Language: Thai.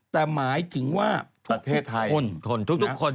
แต่หมายถึงว่าประเทศไทยทุกคน